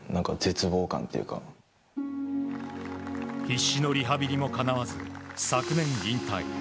必死のリハビリもかなわず昨年引退。